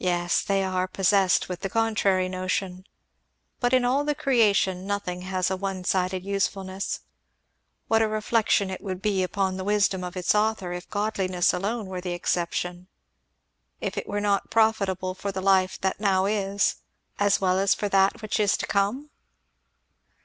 "Yes they are possessed with the contrary notion. But in all the creation nothing has a one sided usefulness; what a reflection it would be upon the wisdom of its author if godliness alone were the exception if it were not 'profitable for the life that now is, as well as for that which is to come'!"